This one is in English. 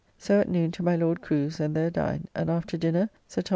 So at noon to my Lord Crew's and there dined, and after dinner Sir Thos.